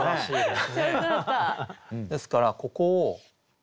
ですからここを。